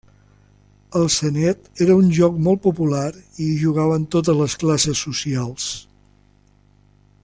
El Senet era un joc molt popular i hi jugaven totes les classes socials.